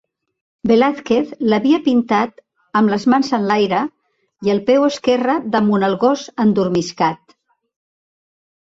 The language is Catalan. Velázquez l'havia pintat amb les mans enlaire i el peu esquerre damunt el gos endormiscat.